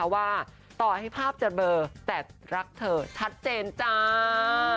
ว่าต่อให้ภาพจะเบอร์แต่รักเธอชัดเจนจ้า